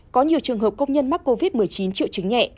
có nhiều trường hợp công nhân mắc covid một mươi chín triệu chứng nhẹ